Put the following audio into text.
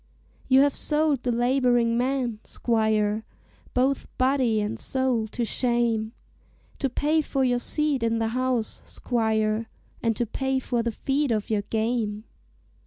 "You have sold the laboring man, squire, Both body and soul to shame, To pay for your seat in the House, squire, And to pay for the feed of your game.